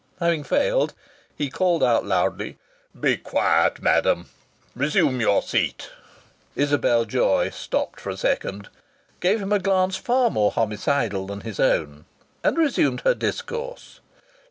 Having failed, he called out loudly: "Be quiet, madam. Resume your seat." Isabel Joy stopped for a second, gave him a glance far more homicidal than his own, and resumed her discourse.